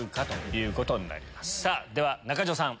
では中条さん